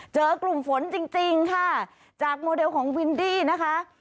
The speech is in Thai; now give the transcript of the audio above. เจอกลุ่มฝนจริงค่ะจากโมเดลของวินดี้นะคะ